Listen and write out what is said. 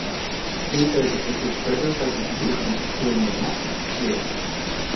Later it received further fortifications during the Fascist Era.